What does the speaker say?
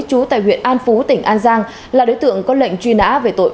trú tại huyện an phú tỉnh an giang là đối tượng có lệnh truy nã về tội